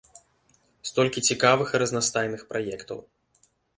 Столькі цікавых і разнастайных праектаў.